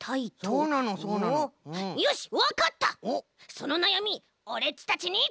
そのなやみオレっちたちに。